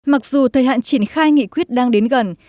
mặc dù thời hạn triển khai nghị quyết đang đến gần